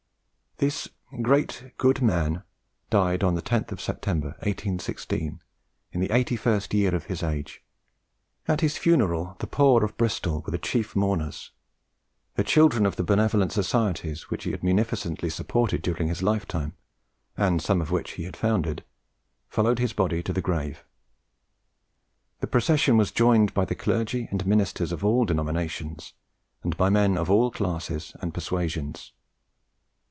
This "great good man" died on the 10th of September, 1816, in the 81st year of his age. At his funeral the poor of Bristol were the chief mourners. The children of the benevolent societies which he had munificently supported during his lifetime, and some of which he had founded, followed his body to the grave. The procession was joined by the clergy and ministers of all denominations, and by men of all classes and persuasions.